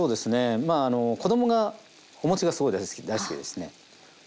まああの子どもがお餅がすごい大好きでですねで